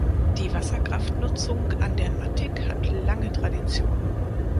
Die Wasserkraftnutzung an der Mattig hat lange Tradition.